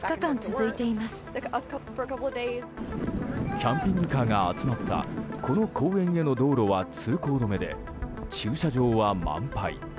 キャンピングカーが集まったこの公園への道路は通行止めで駐車場は満杯。